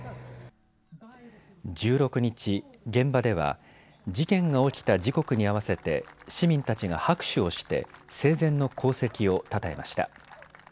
１６日現場では事件が起きた時刻に合わせて市民たちが拍手をして生前の功績をたたえました。